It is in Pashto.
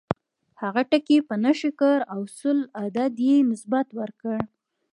هغه ټکی یې په نښه کړ او سلو عدد یې نسبت ورکړ.